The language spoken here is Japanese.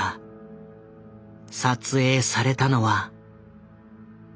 撮影されたのは。